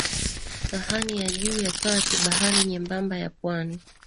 sahani ya juu ya kati bahari nyembamba ya pwani